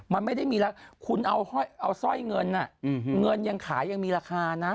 มันไม่ได้มีแล้วคุณเอาสร้อยเงินเงินยังขายยังมีราคานะ